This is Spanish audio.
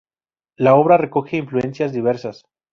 La obra recoge influencias diversas.